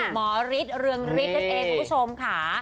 หมอฤทธิ์เรืองฤทธิ์นั่นเองคุณผู้ชมค่ะ